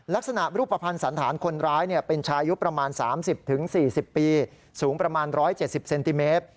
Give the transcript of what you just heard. รูปภัณฑ์สันธารคนร้ายเป็นชายุประมาณ๓๐๔๐ปีสูงประมาณ๑๗๐เซนติเมตร